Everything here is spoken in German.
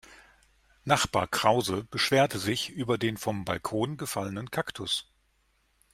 Nachbar Krause beschwerte sich über den vom Balkon gefallenen Kaktus.